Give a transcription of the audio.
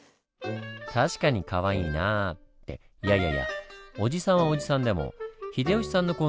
確かにかわいいなぁっていやいやいやおじさんはおじさんでも秀吉さんの痕跡探して下さい。